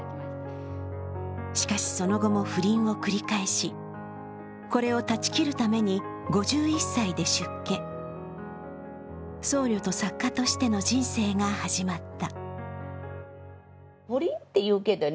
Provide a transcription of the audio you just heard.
しかしその後も不倫を繰り返し、これを断ち切るために５１歳で出家、僧侶と作家としての人生が始まった。